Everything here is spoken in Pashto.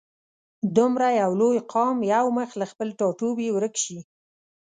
دومره یو لوی قام یو مخ له خپل ټاټوبي ورک شي.